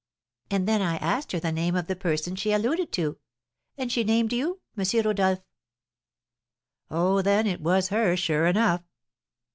And then I asked her the name of the person she alluded to, and she named you, M. Rodolph." "Oh, then, it was her, sure enough."